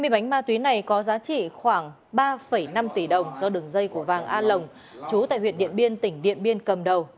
hai mươi bánh ma túy này có giá trị khoảng ba năm tỷ đồng do đường dây của vàng a lồng chú tại huyện điện biên tỉnh điện biên cầm đầu